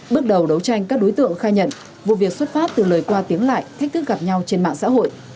bước đầu đấu tranh các đối tượng khai nhận vụ việc xuất phát từ lời qua tiếng lại thách thức gặp nhau trên mạng xã hội